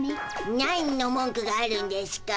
なんの文句があるんでしゅか。